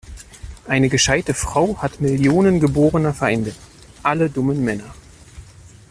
Eine gescheite Frau hat Millionen geborener Feinde: alle dummen Männer.